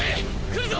来るぞ！